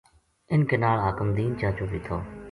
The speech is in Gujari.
اِنھ کے نال حاکم دین چا چو بے تھو